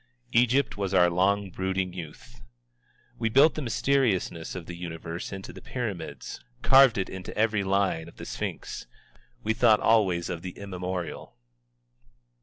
Egypt was our long brooding youth. We built the mysteriousness of the Universe into the Pyramids, carved it into every line of the Sphinx. We thought always of the immemorial.